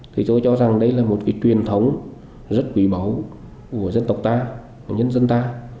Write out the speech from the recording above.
thì tôi cho rằng đây là một cái truyền thống rất quý báu của dân tộc ta của nhân dân ta